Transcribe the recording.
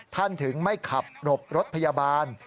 ถึงไม่ขับหลบรถพยาบาล